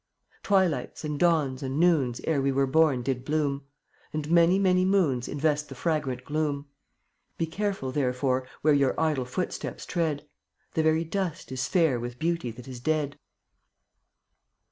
Twilights and dawns and noons Ere we were born did bloom, And many, many moons Invest the fragrant gloom. Be careful, therefore, where Your idle footsteps tread; The very dust is fair With beauty that is dead.